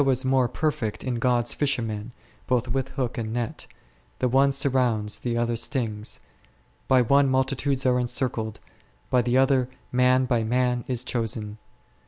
57 is more perfect is God's fisherman, both with hook and net ; the one surrounds, the other stings ; by one multitudes are encircled, by the other man by man is chosen.